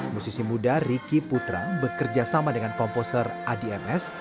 musisi muda riki putra bekerja sama dengan komposer adi ms